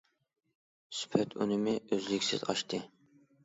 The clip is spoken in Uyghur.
سۈپەت ئۈنۈمى ئۈزلۈكسىز ئاشتى.